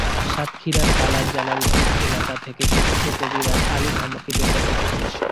সাতক্ষীরার তালার জালালপুর এলাকা থেকে কথিত কবিরাজ আলী মোহাম্মদকে গ্রেপ্তার করেছে পুলিশ।